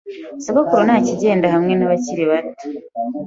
Sogokuru ntakigenda hamwe nabakiri bato.